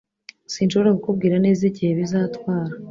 Sinshobora kukubwira neza igihe bizatwara